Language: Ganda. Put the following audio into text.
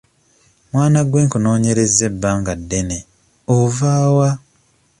Mwana gwe nkunoonyerezza ebbanga ddene ova wa?